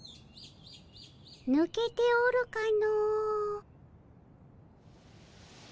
ぬけておるかの。